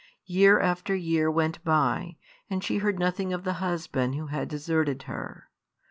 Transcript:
Year after year went by, and she heard nothing of the husband who had deserted her.